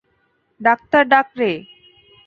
Doctor ডাক রে।